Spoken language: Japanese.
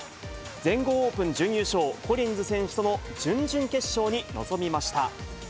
全豪オープン準優勝、コリンズ選手との準々決勝に臨みました。